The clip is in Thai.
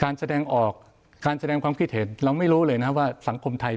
แสดงออกการแสดงความคิดเห็นเราไม่รู้เลยนะว่าสังคมไทย